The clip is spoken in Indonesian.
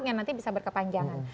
yang nanti bisa berkepanjangan